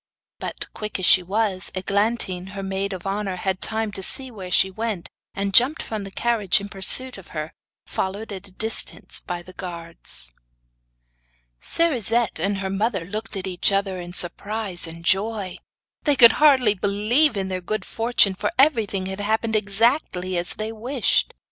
But, quick as she was, Eglantine, her maid of honour, had time to see where she went, and jumped from the carriage in pursuit of her, followed at a distance by the guards. Cerisette and her mother looked at each other in surprise and joy. They could hardly believe in their good fortune, for everything had happened exactly as they wished.